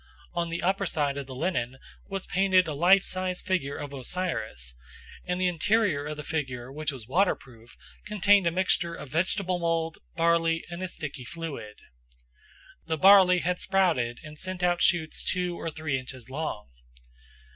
On the upper side of the linen was painted a life size figure of Osiris; and the interior of the figure, which was waterproof, contained a mixture of vegetable mould, barley, and a sticky fluid. The barley had sprouted and sent out shoots two or three inches long.